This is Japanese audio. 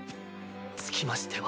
つきましては。